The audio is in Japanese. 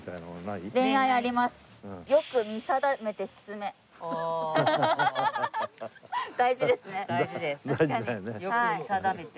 よく見定めて。